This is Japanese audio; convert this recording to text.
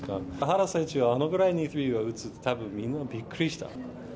原選手は、あのぐらいのスリーを打つって、たぶんみんなびっくりした。